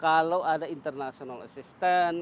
kalau ada international assistance